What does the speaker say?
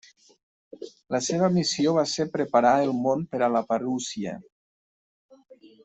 La seva missió va ser preparar al món per a la Parusia.